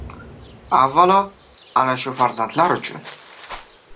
Avvalo, ana shu farzandlar uchun!